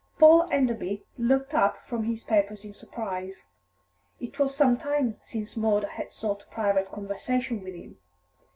Paul Enderby looked up from his papers in surprise; it was some time since Maud had sought private conversation with him.